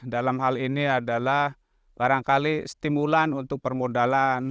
dalam hal ini adalah barangkali stimulan untuk permodalan